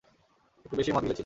একটু বেশিই মদ গিলেছিলাম।